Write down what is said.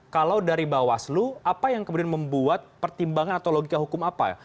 kalau dari bawaslu apa yang kemudian membuat pertimbangan atau logika hukum apa